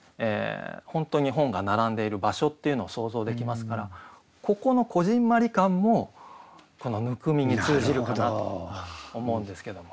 本当に本が並んでいる場所っていうのを想像できますからここのこぢんまり感もこの「温み」に通じるかなと思うんですけども。